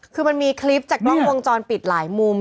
คือมันมีคลิปจากกล้องวงจรปิดหลายมุม